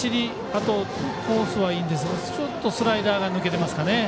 あと、コースはいいんですがちょっとスライダーが抜けてますかね。